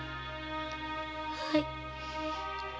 はい。